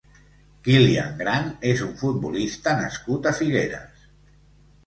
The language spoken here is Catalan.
Kilian Grant és un futbolista nascut a Figueres.